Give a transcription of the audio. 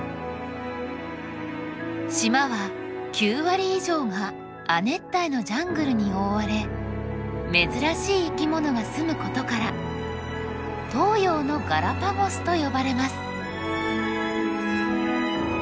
島は９割以上が亜熱帯のジャングルに覆われ珍しい生き物が住むことから東洋のガラパゴスと呼ばれます。